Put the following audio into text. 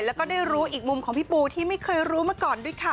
แล้วก็ได้รู้อีกมุมของพี่ปูที่ไม่เคยรู้มาก่อนด้วยค่ะ